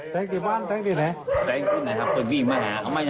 แต๊งที่บ้านแต๊งที่ไหน